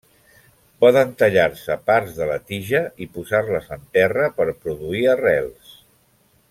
Poden tallar-se parts de la tija i posar-les en terra, per produir arrels.